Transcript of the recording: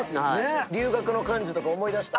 留学の感じとか思いだした？